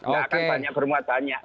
nggak akan banyak bermuat banyak